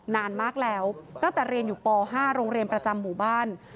นานมากแล้วตั้งแต่เรียนอยู่ป๕โรงเรียนประจำหมู่บ้าน